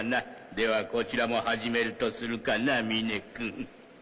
ではこちらも始めるとするかな峰君。